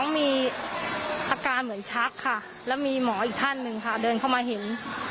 มีอาการเหมือนชากและมีอีกหมออีกท่านเดินเข้ามาเห็น